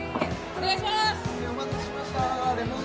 お願いします！